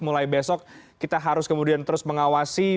mulai besok kita harus kemudian terus mengawasi